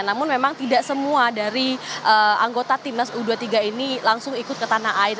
namun memang tidak semua dari anggota timnas u dua puluh tiga ini langsung ikut ke tanah air